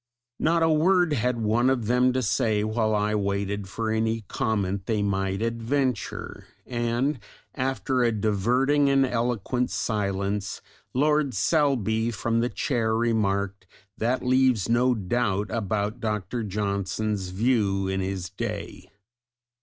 Not a word had one of them to say while I waited for any comment they might adventure, and after a diverting and eloquent silence Lord Selby from the chair remarked, "That leaves no doubt about Dr. Johnson's view in his day."